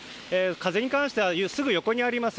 風に関してはすぐ横にあります